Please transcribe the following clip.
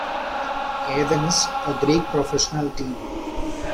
Athens, a Greek professional team.